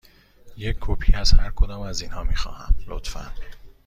یک کپی از هر کدام از اینها می خواهم، لطفاً.